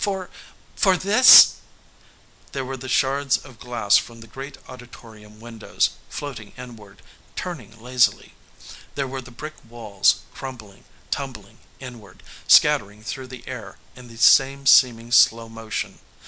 For for this?..." There were the shards of glass from the great auditorium windows, floating inward, turning lazily. There were the brick walls crumbling, tumbling inward, scattering through the air in the same seeming slow motion.